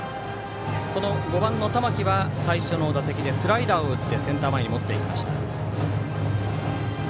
この５番、玉木は最初の打席でスライダーを打ってセンター前に持っていきました。